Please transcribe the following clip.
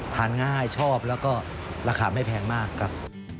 ทานง่ายชอบแล้วก็ราคาไม่แพงมากครับ